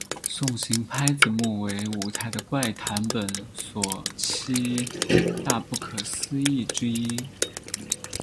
送行拍子木为舞台的怪谈本所七大不可思议之一。